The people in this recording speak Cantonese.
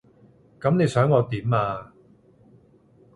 噉你想我點啊？